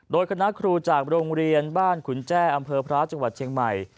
โดยคณะครูจากโรงเรียนบ้านขุนแจ้อำเภอพระจังหวัดเชียงใหม่